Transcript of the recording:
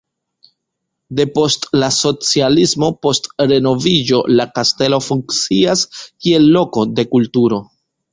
Depost la socialismo post renoviĝo la kastelo funkcias kiel loko de kulturo.